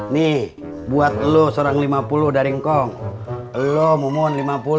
nih buat lu seorang lima puluh dari ngkong elo mumun lima puluh